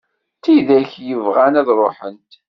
D tidak yebɣan ad ruḥent.